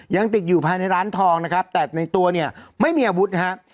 ยังติดอยู่ภายในร้านทองนะครับแต่ในตัวเนี่ยไม่มีอาวุธนะครับ